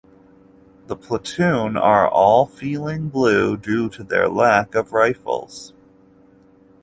The platoon are all feeling blue due to their lack of rifles.